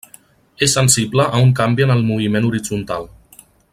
És sensible a un canvi en el moviment horitzontal.